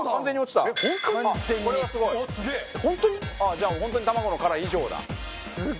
じゃあ本当に卵の殻以上だ。